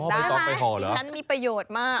ได้ไหมดิฉันมีประโยชน์มาก